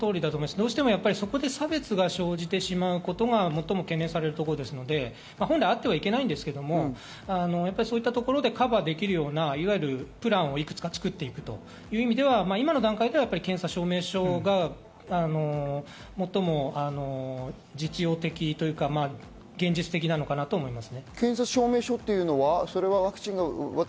どうしてもそこで差別が生じてしまうことが最も懸念されることですので、本来あってはいけないんですけれど、そういったところでカバーできるようなプランをいくつか作っていくという意味では今の段階では検査証明書が最も実用的、現実的なのかなと思います。